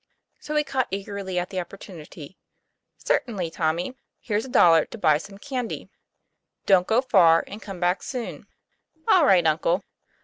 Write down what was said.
So he caught eagerly at the opportunity. ;' Certainly, Tommy. Here's a dollar to buy some candy. Don't go far; and come back soon." "All right, uncle."